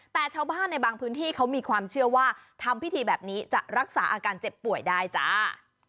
แต่ชาวบ้านในบางพื้นที่เขามีความเชื่อว่าทำพิธีแบบนี้จะรักษาอาการเจ็บป่วยได้จ้า